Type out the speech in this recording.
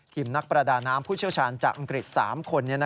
นักประดาน้ำผู้เชี่ยวชาญจากอังกฤษ๓คน